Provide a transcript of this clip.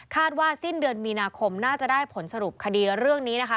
ว่าสิ้นเดือนมีนาคมน่าจะได้ผลสรุปคดีเรื่องนี้นะคะ